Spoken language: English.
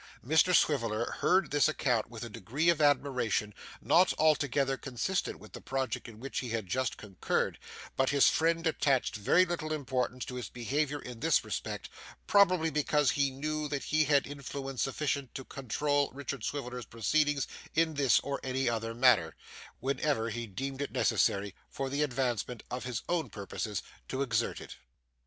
Mr Swiveller heard this account with a degree of admiration not altogether consistent with the project in which he had just concurred, but his friend attached very little importance to his behavior in this respect, probably because he knew that he had influence sufficient to control Richard Swiveller's proceedings in this or any other matter, whenever he deemed it necessary, for the advancement of his own purposes, to exert it.